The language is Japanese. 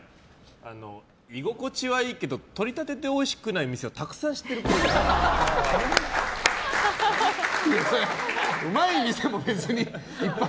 居心地はいいけどとりたてておいしくない店をたくさん知ってるっぽい。